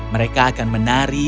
mereka akan menari